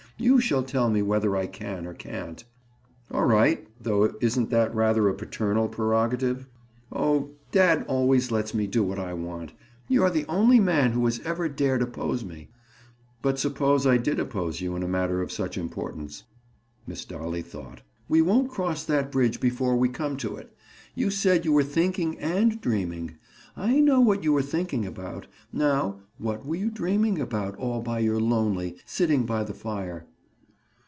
You shall tell me whether I can or can't." "All right—though isn't that rather a paternal prerogative?" "Oh, dad always lets me do what I want. You're the only man that has ever dared oppose me." "But suppose I did oppose you in a matter of such importance?" Miss Dolly thought. "We won't cross that bridge before we come to it. You said you were thinking and dreaming. I know what you were thinking about. Now, what were you dreaming about all by your lonely, sitting by the fire?"